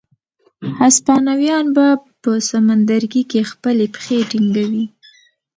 هسپانویان به په سمندرګي کې خپلې پښې ټینګوي.